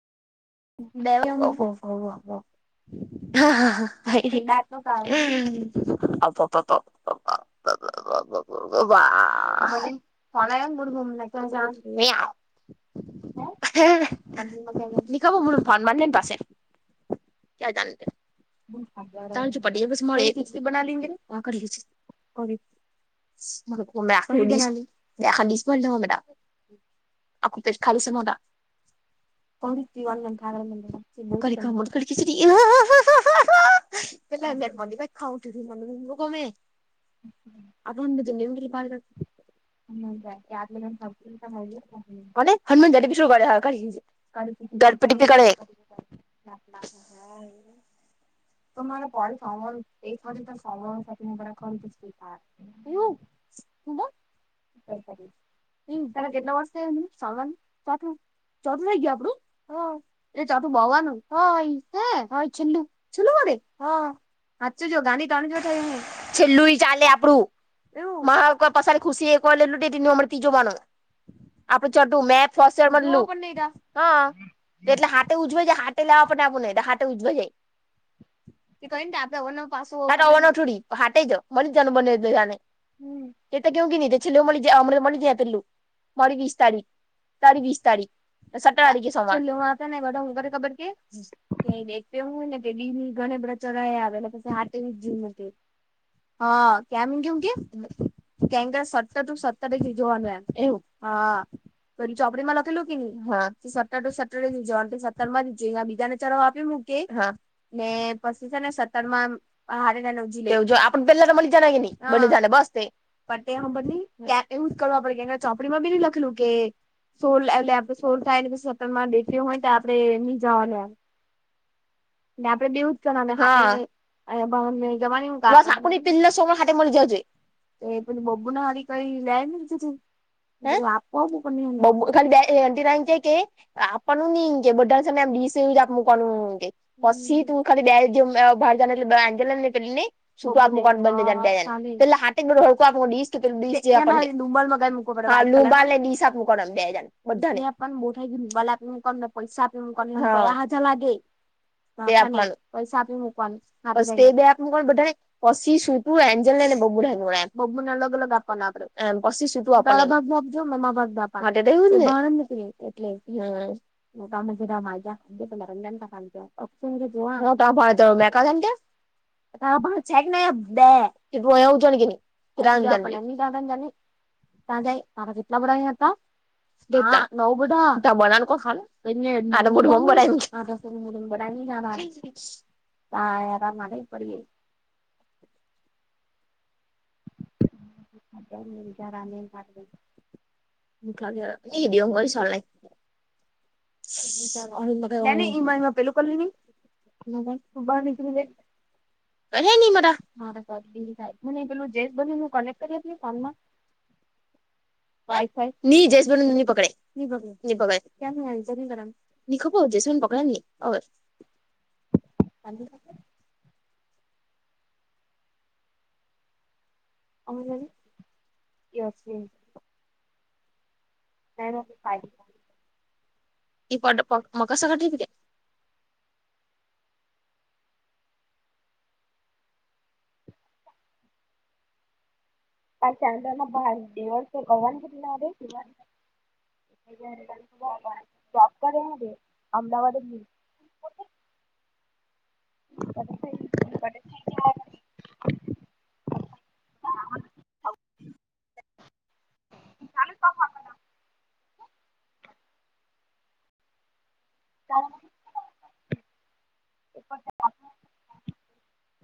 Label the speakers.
Speaker 1: દે ત્મ કપ વા હ કોણ મુરઘુમના હ ફાન માને પાસે ક્યાં પ થી બના લે ને કરી લ [unintelligible] [inaudible] [inaudible] ખિચડી પલે મ ભાઈ ખાઉ મુંમે [inaudible]
Speaker 2: હમ
Speaker 1: અણું નિવ ભ [inaudible] હનુમાન જ બી શ કરે [unintelligible] [inaudible] ગણપડી પી કડ [inaudible] તો મારે પ સારવાર એક વાર સારવારું સાથેને બધ ખરીું કે સ્વીખા. એવું કધ [inaudible] કરી તલા કેટલા વર્ષ સાવાનું ચોું થઈ ગયા આપડું હા. એટ ચટું ભગનું હય હ હલ્ છું હ [unintelligible] [inaudible] સાચું જો ગાંધ તણ જો થય હું છેલ્લું ચાલે આપડું એવ મા કો પસાારી ખુશ [unintelligible] કોલું ડેટી નો તીજું માનો, આપડે ચ તો મે [unintelligible] હા. એટલે હાથે ઉજવે જાય હાટે લાવવા પણ આપો નને હાથે ઉજવા જાય. તે ક ને આપ પાવા છોડી હાટે જ મની જ જાનું બંનેને હ એ તો કેવું કે ન છેલ્લેું મળી જ અમ મળી જયા પેલું મારી વીસ તારીખ તારી વીસ તારીખ. હ ને હું ખ ખબર કે ત્યાં દેખ હોય ને કે દ ગ બ્રા ચરા આવેછ. [unintelligible] હા કેમ કેઉ કી ક્યા ક સત્તર ટુ સત્તરી જોવાનું એમ એવું હા પેલી ચોપડીમાં હા. સત સતર માં જ જો બીજાને ચરો આપી મૂકે, હા, ને પછી છે ને સત્તરમાં એમ આમ હારે આપ પેલા તો મળ જના કે ન બા બસ તે. પણ તે [inaudible] એવું જ કરવા પડે કે ચોપડીમાં બી ન લખેલું કે
Speaker 2: તોલ લાકુ.
Speaker 1: સોર થાય ને તો સતન માં દેખ્યો હોય ને આપડે મી જવાનું એમ.
Speaker 2: [inaudible]
Speaker 1: ને આપડે બી એવુંજ કરવાન ને હા. [inaudible] આપડી પે સો હા મળી જજે. તો પેલી બબ્બુ ના હારી કી લાઇ નેધી બાપ ખાલી એ અંતિરિને કે કે આપણનું ની કે બધા સેને [inaudible] હું કોણ કે પછી તુ ખાલી બેજે ન [inaudible] [unintelligible] [unintelligible] બધાને [unintelligible] [unintelligible] પૈસા [unintelligible] લાગે [unintelligible] [inaudible] પૈસા આપી મકવાનું [inaudible] પણ બધાને પશી સુતું આંજલ નાને બુઢા નું એમ. [unintelligible] એટલે ને. [unintelligible] [unintelligible] બે [unintelligible] ત્યાં જાય તારા કેટલા બધા હતા? કેટલા નવ બધા? [unintelligible]
Speaker 2: આ રાના.
Speaker 1: [unintelligible] [inaudible] એમાં પેલું કલની. [unintelligible] [unintelligible] [unintelligible] ની પકડે ની પકડે. [unintelligible] [unintelligible] મકર શકાત્રી કે.
Speaker 2: [inaudible] આ ચાંદના બાર દિવસ [unintelligible] જાગતા રેહુને [unintelligible] [unintelligible] [unintelligible]